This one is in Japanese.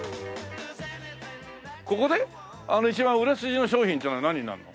ここで一番売れ筋の商品っていうのは何になるの？